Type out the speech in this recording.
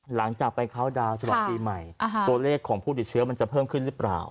หลังจากไปเข้าดาวน์ฉบับปีใหม่ตัวเลขของผู้ติดเชื้อมันจะเพิ่มขึ้นหรือเปล่า